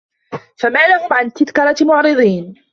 فَما لَهُم عَنِ التَّذكِرَةِ مُعرِضينَ